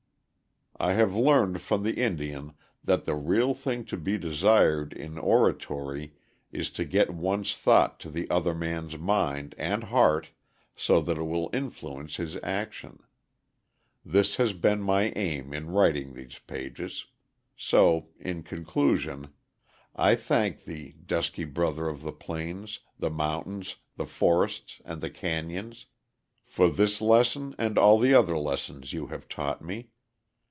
I have learned from the Indian that the real thing to be desired in oratory is to get one's thought into the other man's mind and heart so that it will influence his action. This has been my aim in writing these pages; so, in conclusion, I thank thee, dusky brother of the plains, the mountains, the forests, and the canyons, for this lesson and all the other lessons you have taught me.